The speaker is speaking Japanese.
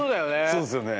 そうですよね。